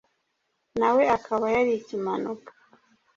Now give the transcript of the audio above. nawe akaba yari Ikimanuka,